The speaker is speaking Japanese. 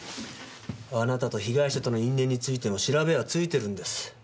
あなたと被害者との因縁についても調べはついてるんです。